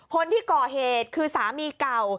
คนที่ก่อเหตุคือสามีเก่า